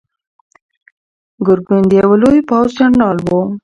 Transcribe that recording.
ګرګین د یوه لوی پوځ جنرال و.